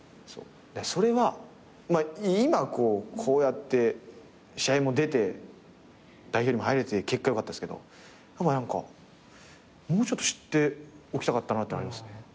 それは今こうやって試合も出て代表にも入れて結果良かったっすけど何かもうちょっと知っておきたかったなっていうのはありますね。